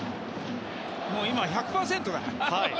今、１００％だね。